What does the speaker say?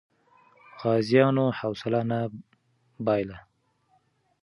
غازیانو حوصله نه بایله.